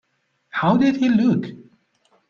How did he look?